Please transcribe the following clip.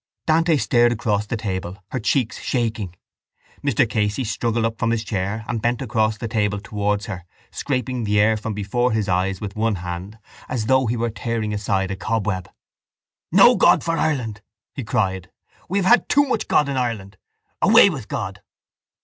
Dante stared across the table, her cheeks shaking. Mr Casey struggled up from his chair and bent across the table towards her, scraping the air from before his eyes with one hand as though he were tearing aside a cobweb. —No God for Ireland! he cried. We have had too much God in Ireland. Away with God!